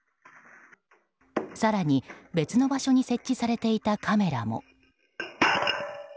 更に、別の場所に設置されていたカメラも。